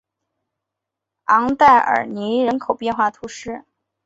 昂代尔尼人口变化图示